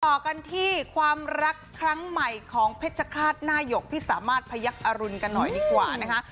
ต่อกันที่ความรักครั้งใหม่ของเพชรฆาตหน้าหยกพี่สามารถพยักษรุณกันหน่อยดีกว่านะคะ